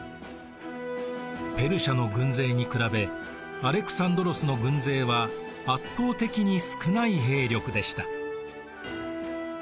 ペルシアの軍勢に比べアレクサンドロスの軍勢は圧倒的に少ない兵力でした。